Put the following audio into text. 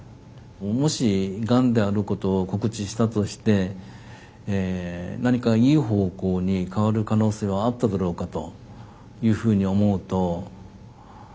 もしガンであることを告知したとして何かいい方向に変わる可能性はあっただろうかというふうに思うと。